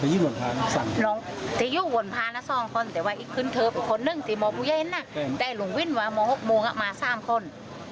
เป็นคนหนึ่งที่มภูเย็นได้ลงวิ่นมามหกโมงมา๓คน